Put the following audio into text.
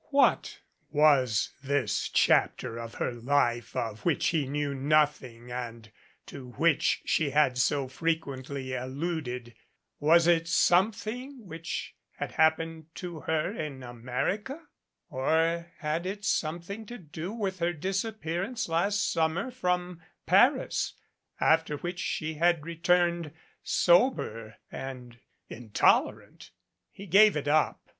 What was this chapter of her life of which he knew nothing and to which she had so frequently alluded? Was it some thing which had happened to her in America? Or had it something to do with her disappearance last summer from Paris, after which she had returned sober and intolerant? He gave it up.